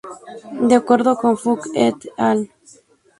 De acuerdo con Funk "et al.